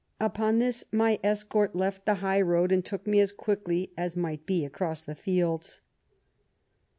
Upon this, my escort left the high road, and took me as quickly as might be across the fields."